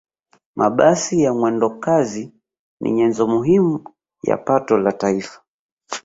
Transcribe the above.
mabasi ya mwendokazi ni nyenzo muhimu ya pato la taifa